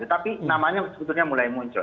tapi namanya sebetulnya mulai muncul